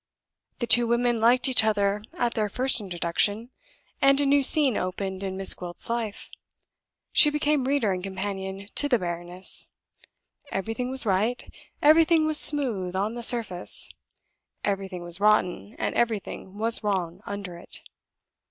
The two women liked each other at their first introduction; and a new scene opened in Miss Gwilt's life. She became reader and companion to the baroness. Everything was right, everything was smooth on the surface. Everything was rotten and everything was wrong under it."